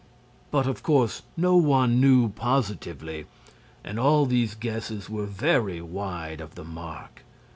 But, of course, no one knew positively, and all these guesses were very wide of the mark.